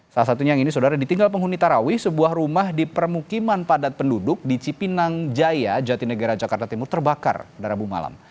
salah satunya yang ini saudara ditinggal penghuni tarawi sebuah rumah di permukiman padat penduduk di cipinang jaya jatinegara jakarta timur terbakar pada rabu malam